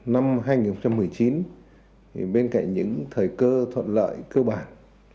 năm hai nghìn một mươi chín bên cạnh những thời cơ thuận lợi cơ bản